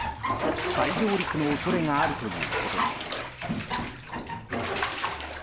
再上陸の恐れがあるということです。